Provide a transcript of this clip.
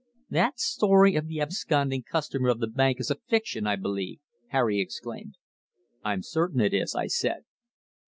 "That story of the absconding customer of the bank is a fiction, I believe," Harry exclaimed. "I'm certain it is," I said.